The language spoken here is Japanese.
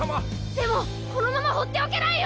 でもこのままほっておけないよ！